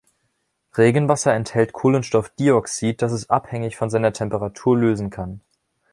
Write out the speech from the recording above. Regenwasser enthält Kohlenstoffdioxid, das es abhängig von seiner Temperatur lösen kann.